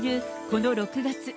この６月。